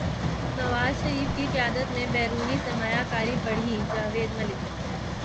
نواز شریف کی قیادت میں بیرونی سرمایہ کاری بڑھی جاوید ملک